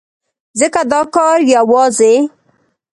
ځکه دا کار يوازې